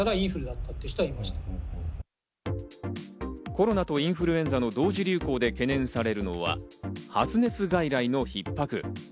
コロナとインフルエンザの同時流行で懸念されるのは発熱外来のひっ迫。